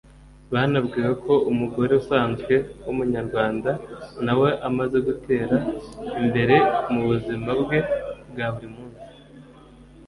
Banabwiwe ko umugore usanzwe w’umunyarwanda na we amaze gutera imbere mu buzima bwe bwa buri munsi